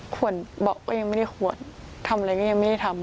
ขวดเบาะก็ยังไม่ได้ควรทำอะไรก็ยังไม่ได้ทำ